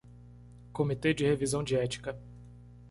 Comitê de revisão de ética